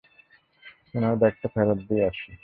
উনার ব্যাগটা ফেরত দিয়ে আসি।